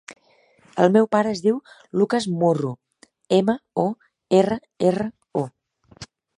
El meu pare es diu Lucas Morro: ema, o, erra, erra, o.